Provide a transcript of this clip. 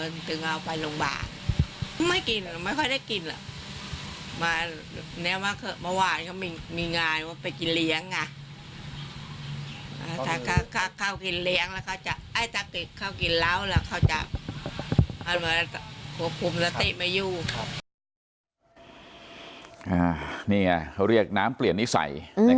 นี่ไงเขาเรียกน้ำเปลี่ยนนิสัย